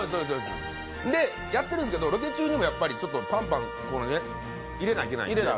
やってるんですけど、ロケ中にもパンパン入れないけないので。